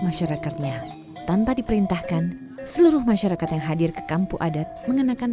masyarakatnya tanpa diperintahkan seluruh masyarakat yang hadir ke kampung adat mengenakan